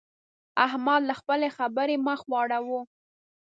احمد له خپلې خبرې مخ واړاوو.